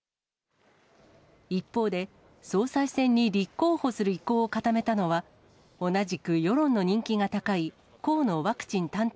一方で、総裁選に立候補する意向を固めたのは、同じく世論の人気が高い河